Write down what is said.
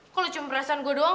kalo cuma perasaan gue doang